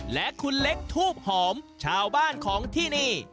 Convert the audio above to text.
และคุณเล็กทูบหอมชาวบ้านของที่นี่